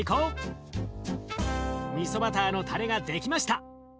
みそバターのタレが出来ました。